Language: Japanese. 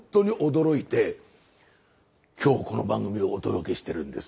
今日この番組をお届けしてるんです。